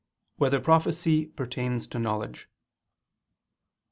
1] Whether Prophecy Pertains to Knowledge?